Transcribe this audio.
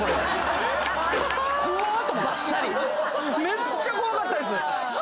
めっちゃ怖かったです。